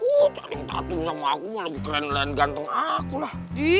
oh caning tatum sama aku mah lebih keren dan ganteng akulah